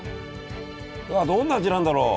あどんな味なんだろう？